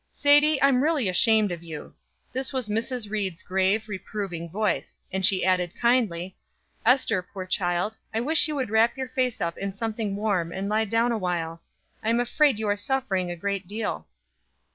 "Sadie, I am really ashamed of you." This was Mrs. Ried's grave, reproving voice; and she added, kindly: "Ester, poor child, I wish you would wrap your face up in something warm and lie down awhile. I am afraid you are suffering a great deal."